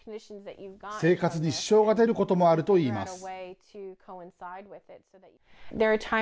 生活に支障が出ることもあるといいます。